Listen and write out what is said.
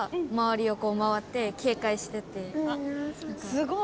すごい。